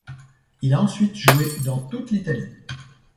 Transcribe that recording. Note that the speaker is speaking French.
Il a ensuite joué dans toute l'Italie.